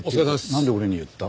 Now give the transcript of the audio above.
なんで俺に言った？